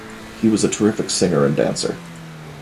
He was a terrific singer and dancer.